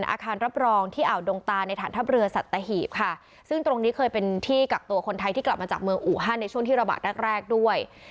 อาคารรับรองที่อ่าวดงตาในฐานทัพเรือสัตหีบค่ะซึ่งตรงนี้เคยเป็นที่กักตัวคนไทยที่กลับมาจากเมืองอูฮันในช่วงที่ระบาดแรกแรกด้วย